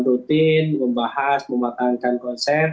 rutin membahas mematangkan konsep